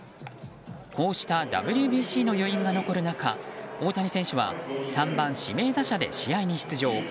こうしたＷＢＣの余韻が残る中大谷選手は３番指名打者で試合に出場。